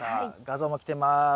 画像も来てます。